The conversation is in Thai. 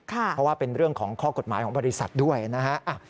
เพราะว่าเป็นเรื่องของข้อกฎหมายของบริษัทด้วยนะฮะ